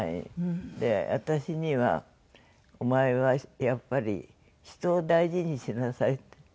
私には「お前はやっぱり人を大事にしなさい」って。